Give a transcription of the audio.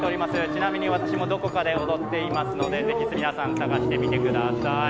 ちなみに私もどこかで踊っていますのでぜひ皆さん、探してみてください。